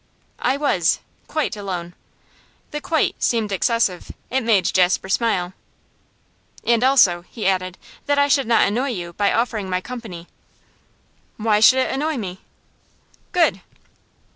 'I was, quite alone.' The 'quite' seemed excessive; it made Jasper smile. 'And also,' he added, 'that I shall not annoy you by offering my company?' 'Why should it annoy me?' 'Good!